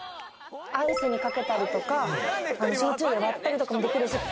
アイスにかけたりとか、焼酎で割ったりとかもできる。